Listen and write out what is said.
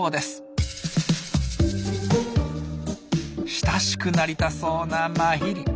親しくなりたそうなマヒリ。